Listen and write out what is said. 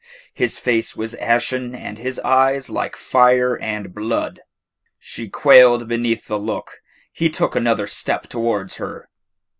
His face was ashen and his eyes like fire and blood. She quailed beneath the look. He took another step towards her.